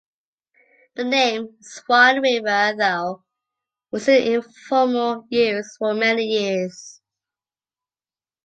The name ‘Swan River,’ though, was in informal use for many years.